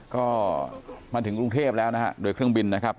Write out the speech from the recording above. ก็มาถึงกรุงเทพแล้วนะฮะโดยเครื่องบินนะครับ